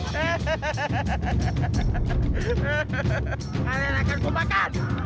kalian akan bumbakan